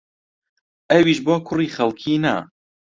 ئەویش بۆ کوڕێ خەڵکی نا